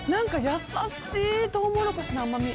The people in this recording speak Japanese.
やさしいトウモロコシの甘み。